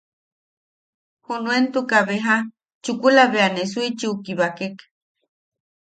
Junuentuka beja chukula bea ne Suichiu kibakek.